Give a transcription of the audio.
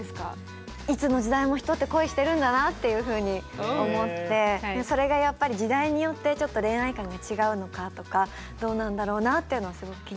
いつの時代も人って恋してるんだなっていうふうに思ってそれがやっぱり時代によってちょっと恋愛観が違うのかとかどうなんだろうなっていうのはすごく気になります。